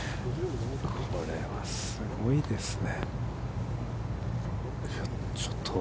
これはすごいですね。